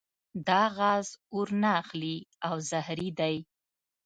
دا غاز اور نه اخلي او زهري دی.